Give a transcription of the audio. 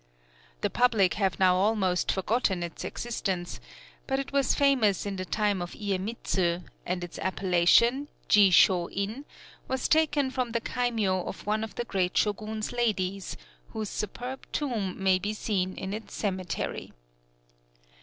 The public have now almost forgotten its existence; but it was famous in the time of Iyemitsu; and its appellation, Ji shō in, was taken from the kaimyō of one of the great Shogun's ladies, whose superb tomb may be seen in its cemetery.